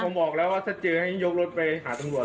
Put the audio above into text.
ผมบอกแล้วว่าถ้าเจอให้ยกรถไปหาตำรวจ